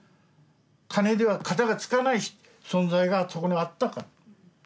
金では片がつかない存在がそこにはあったから。